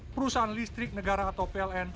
perusahaan listrik negara atau pln